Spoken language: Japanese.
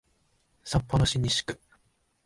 札幌市西区